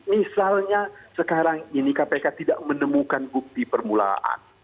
misalnya sekarang ini kpk tidak menemukan bukti permulaan